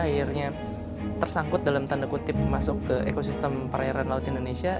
akhirnya tersangkut dalam tanda kutip masuk ke ekosistem perairan laut indonesia